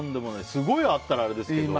すごいあったらあれですけど。